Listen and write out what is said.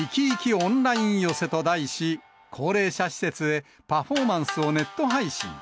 オンライン寄席と題し、高齢者施設へパフォーマンスをネット配信。